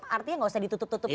artinya gak usah ditutup tutupin